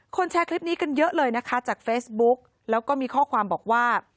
แชร์คลิปนี้กันเยอะเลยนะคะจากเฟซบุ๊กแล้วก็มีข้อความบอกว่า